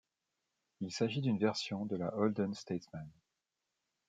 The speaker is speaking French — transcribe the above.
Il s'agit d'une version de la Holden Statesman.